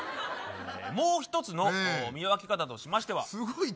もう一つの見分け方としましては